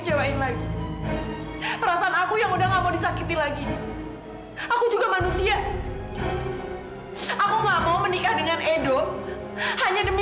karena perasaan seorang ibu yang gak mau menyusui anaknya sendiri